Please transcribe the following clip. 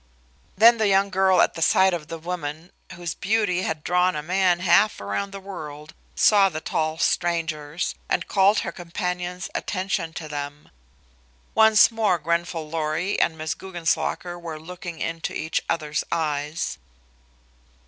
Then the young girl at the side of the woman whose beauty had drawn a man half around the world saw the tall strangers, and called her companion's attention to them. Once more Grenfall Lorry and Miss Guggenslocker were looking into each other's eyes.